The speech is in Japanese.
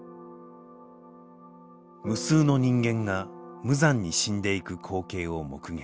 無数の人間が無残に死んでいく光景を目撃。